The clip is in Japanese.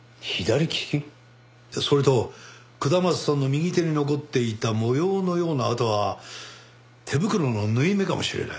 それと下松さんの右手に残っていた模様のような痕は手袋の縫い目かもしれない。